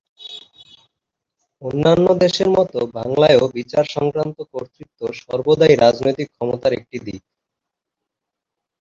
অন্যান্য দেশের মতো বাংলায়ও বিচার সংক্রান্ত কর্তৃত্ব সর্বদাই রাজনৈতিক ক্ষমতার একটি দিক।